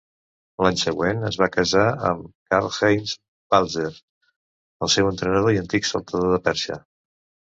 L'any següent es va casar amb Karl-Heinz Balzer, el seu entrenador i antic saltador de perxa.